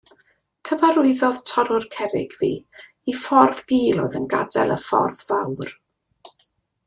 Cyfarwyddodd torrwr cerrig fi i ffordd gul oedd yn gadael y ffordd fawr.